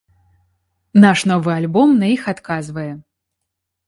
Наш новы альбом на іх адказвае.